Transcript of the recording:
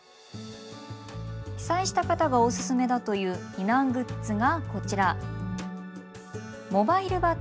被災した方がおすすめだという避難グッズがこちら。